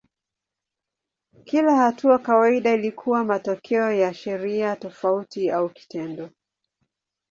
Kila hatua kawaida ilikuwa matokeo ya sheria tofauti au kitendo.